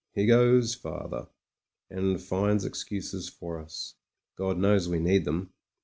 He goes farther, and finds excuses for us; God knows we need them.